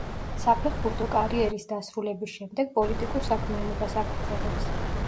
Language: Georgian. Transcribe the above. საფეხბურთო კარიერის დასრულების შემდეგ პოლიტიკურ საქმიანობას აგრძელებს.